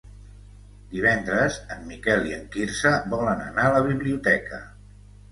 Divendres en Miquel i en Quirze volen anar a la biblioteca.